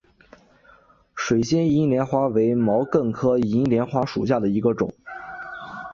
水仙银莲花为毛茛科银莲花属下的一个种。